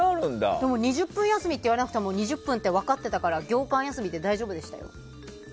でも２０分休みって言わなくても２０分って分かっていたから業間休みで大丈夫でしたよ。